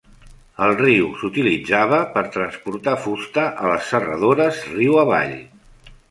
El riu s'utilitzava per transportar fusta a les serradores riu avall.